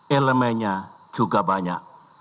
elemenya juga banyak